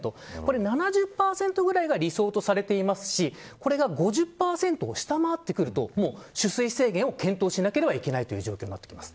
７０％ぐらいが理想とされていますし５０％を下回ってくると取水制限を検討しなければいけない状況になってきます。